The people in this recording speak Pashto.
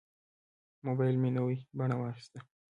موبایل مې نوې بڼه واخیسته.